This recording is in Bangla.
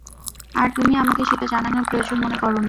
আর তুমি আমাকে সেটা জানানোর প্রয়োজন মনে করোনি?